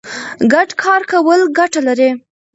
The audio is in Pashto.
ګډ کار کول ګټه لري.